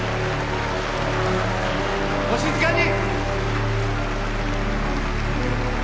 お静かに！